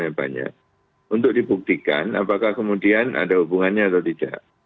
yang banyak untuk dibuktikan apakah kemudian ada hubungannya atau tidak